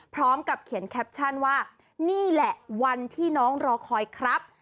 พร้อมกับเขียนแคปชั่นว่านี่แหละวันที่น้องรอคอยครับ